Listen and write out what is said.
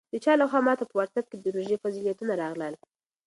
د چا لخوا ماته په واټساپ کې د روژې فضیلتونه راغلل.